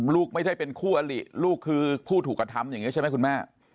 ลูกไม่ได้เป็นคู่อลิลูกคือผู้ถูกกระทำอย่างนี้ใช่ไหมคุณแม่